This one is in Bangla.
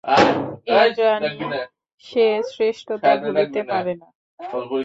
ইন্দ্রানী সে শ্রেষ্ঠতা ভুলিতে পারে না।